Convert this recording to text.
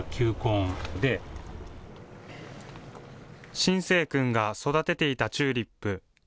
心誠君が育てていたチューリップ。